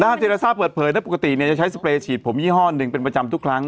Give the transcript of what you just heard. เจรทราบเปิดเผยนะปกติจะใช้สเปรย์ฉีดผมยี่ห้อหนึ่งเป็นประจำทุกครั้ง